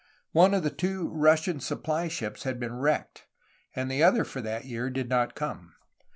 One of the two Russian supply ships had been wrecked, and the other for that year did not come.